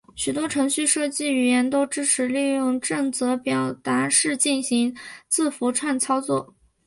许多程序设计语言都支持利用正则表达式进行字符串操作。